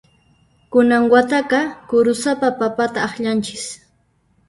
Kunan wataqa kurusapa papata allanchis.